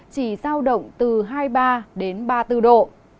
chỉ giao động từ hai mươi ba đến ba mươi bốn độ